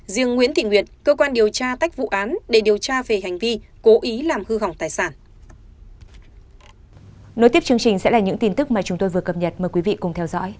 riêng nguyễn thị nguyệt cơ quan điều tra tách vụ án để điều tra về hành vi cố ý làm hư hỏng tài sản